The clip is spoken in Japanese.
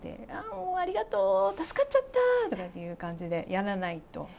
もうありがとう、助かっちゃったーとかっていう感じでやらないと。